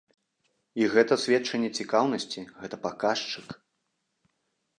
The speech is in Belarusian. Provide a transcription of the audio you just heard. І гэта сведчанне цікаўнасці, гэта паказчык.